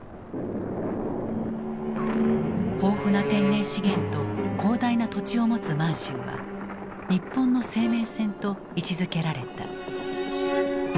豊富な天然資源と広大な土地を持つ満州は「日本の生命線」と位置づけられた。